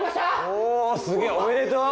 おすげえおめでとう！